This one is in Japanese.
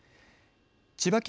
千葉県